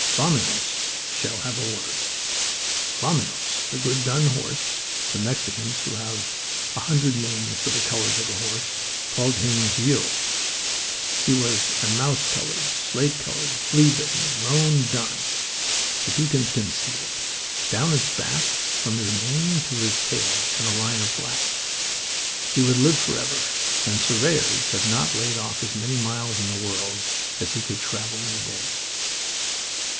Vaminos shall have a word—Vaminos the good dun horse. The Mexicans, who have a hundred names for the colours of a horse, called him gruyo. He was a mouse coloured, slate coloured, flea bitten roan dun, if you can conceive it. Down his back from his mane to his tail went a line of black. He would live forever; and surveyors have not laid off as many miles in the world as he could travel in a day.